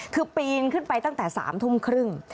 คือปีนขึ้นไปตั้งแต่๓ทุ่มครึ่ง